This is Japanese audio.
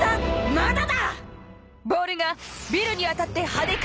まだだ！